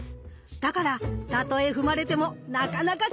だからたとえ踏まれてもなかなかちぎれない！